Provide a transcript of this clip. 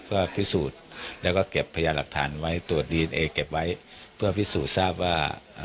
เพื่อพิสูจน์แล้วก็เก็บพยาหลักฐานไว้ตรวจดีเอนเอเก็บไว้เพื่อพิสูจน์ทราบว่า